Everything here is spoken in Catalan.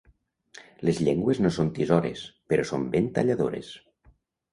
Les llengües no són tisores, però són ben talladores.